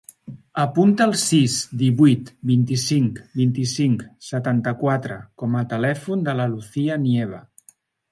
Apunta el sis, divuit, vint-i-cinc, vint-i-cinc, setanta-quatre com a telèfon de la Lucía Nieva.